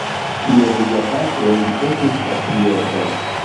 Kiel lia patro, li estis patrioto.